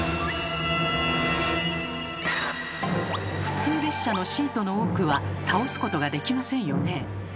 普通列車のシートの多くは倒すことができませんよね。